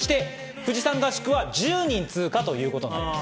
富士山合宿は１０人通過ということになります。